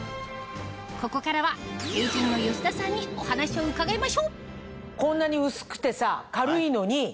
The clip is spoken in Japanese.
ここからはテイジンの吉田さんにお話を伺いましょうこんなに。